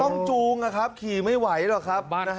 จูงนะครับขี่ไม่ไหวหรอกครับ